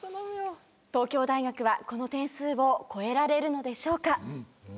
東京大学はこの点数を超えられるのでしょうか？